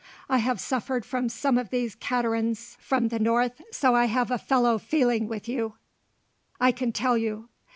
"I have suffered from some of these caterans from the north, so I have a fellow feeling with you, I can tell you."